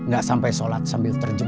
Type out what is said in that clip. gak sampai sholat sambil terjemur di halaman